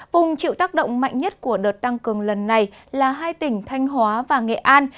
vùng chịu tác động mạnh nhất của đợt tăng cường lần này là hai tỉnh thanh hóa và nghệ an